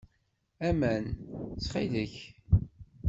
Aman, ttxil-k.